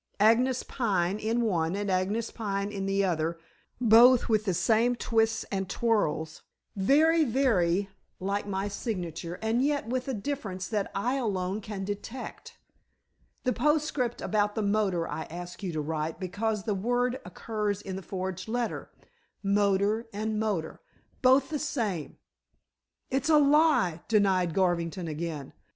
Agnes Pine in one and Agnes Pine in the other, both with the same twists and twirls very, very like my signature and yet with a difference that I alone can detect. The postscript about the motor I asked you to write because the word occurs in the forged letter. Motor and motor both the same." "It's a lie," denied Garvington again.